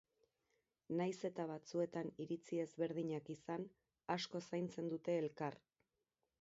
Nahiz eta batzuetan iritzi ezberdinak izan, asko zaintzen dute elkar.